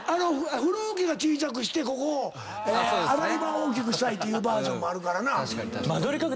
風呂おけ小ちゃくして洗い場を大きくしたいというバージョンもあるからな。